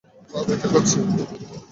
পা ব্যথা করছে।